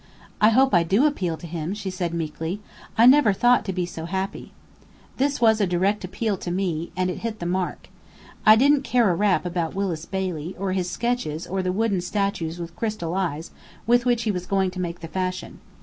"I hope I do appeal to him," she said, meekly, "I never thought to be so happy." This was a direct appeal to me; and it hit the mark. I didn't care a rap about Willis Bailey, or his sketches or the wooden statues with crystal eyes which he was going to make the fashion.